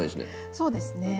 そうですね。